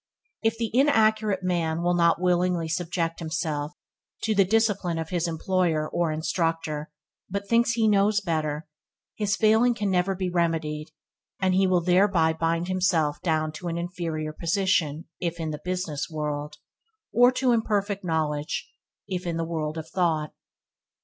If the inaccurate man will not willingly subject himself to the discipline of his employer or instructor, but thinks he knows better, his failing can never be remedied, and he will thereby bind himself down to an inferior position, if in the business world; or to imperfect knowledge, if in the world of thought.